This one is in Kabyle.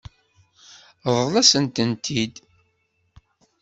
Ṛḍel-asent-tent-id.